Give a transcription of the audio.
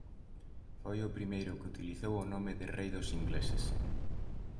Foi o primeiro que utilizou o nome de rei dos ingleses.